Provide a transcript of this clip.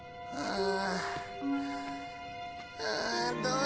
ああ？